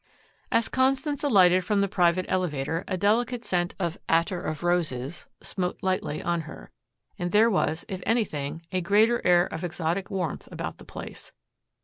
As Constance alighted from the private elevator, a delicate scent as of attar of roses smote lightly on her, and there was, if anything, a greater air of exotic warmth about the place.